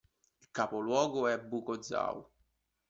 Il capoluogo è Buco-Zau.